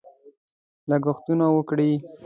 لګښتونه وکړي.